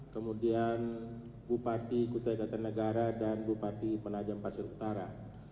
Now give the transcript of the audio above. kemudian bupati kota egan tanegara dan bupati penajam pasir utara